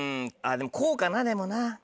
でもこうかなでもな。